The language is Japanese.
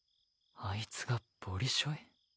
あいつがボリショイ？